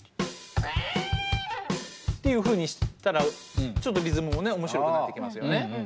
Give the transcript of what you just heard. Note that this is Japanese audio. っていうふうにしたらちょっとリズムもね面白くなってきますよね。